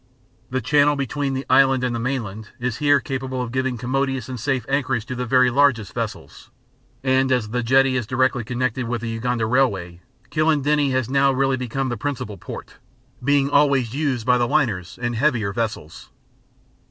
The channel between the island and the mainland is here capable of giving commodious and safe anchorage to the very largest vessels, and as the jetty is directly connected with the Uganda Railway, Kilindini has now really become the principal port, being always used by the liners and heavier vessels.